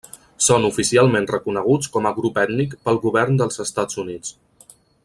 Són oficialment reconeguts com a grup ètnic pel govern dels Estats Units.